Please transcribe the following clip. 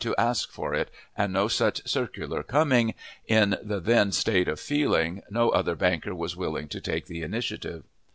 to ask for it, and, no such circular coming, in the then state of feeling no other banker was willing to take the initiative.